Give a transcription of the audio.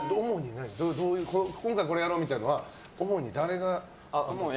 今回これやろうみたいなのは主に誰が？